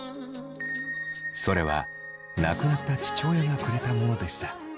それは亡くなった父親がくれたものでした。